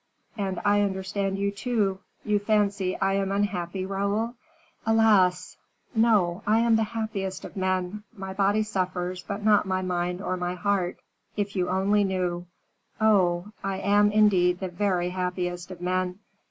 "And I understand you, too. You fancy I am unhappy, Raoul?" "Alas!" "No; I am the happiest of men. My body suffers, but not my mind or my heart. If you only knew Oh! I am, indeed, the very happiest of men."